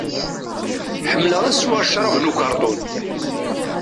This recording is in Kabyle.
Ḥemmleɣ ad sweɣ crab n ukarṭun.